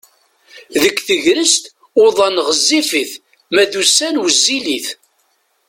Deg tegrest uḍan ɣezzifit ma d ussan wezzilit.